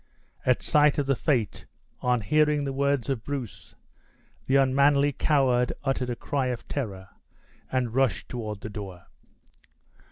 At sight of the fate, on hearing the words of Bruce, the unmanly coward uttered a cry of terror, and rushed toward the door.